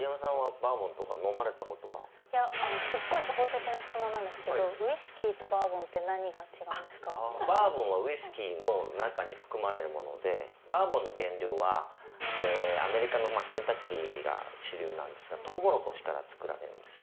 バーボンはウイスキーの中に含まれるものでバーボンの原料はアメリカのケンタッキーが主流なんですがとうもろこしから造られるんです。